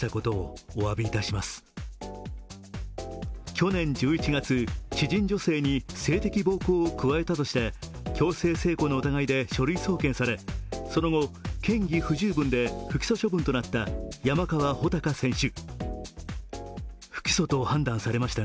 去年１１月、知人女性に性的暴力を加えたとして強制性交の疑いで書類送検され、その後、嫌疑不十分で不起訴処分となった山川穂高選手。